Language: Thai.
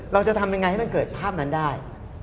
เราจะทำยังไงให้มันเกิดภาพนั้นได้